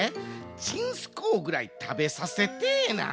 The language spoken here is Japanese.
ちんすこうぐらいたべさせてえな。